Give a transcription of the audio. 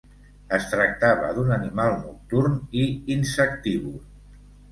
Es tractava d'un animal nocturn i insectívor.